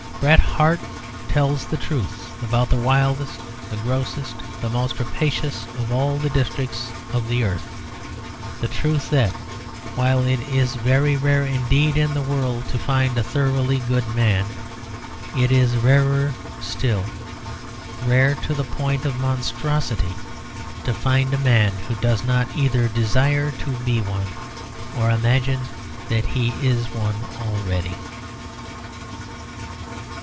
Bret Harte tells the truth about the wildest, the grossest, the most rapacious of all the districts of the earth the truth that, while it is very rare indeed in the world to find a thoroughly good man, it is rarer still, rare to the point of monstrosity, to find a man who does not either desire to be one, or imagine that he is one already.